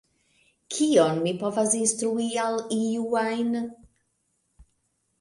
Kion mi povas instrui al iu ajn?